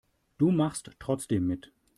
Du machst trotzdem mit.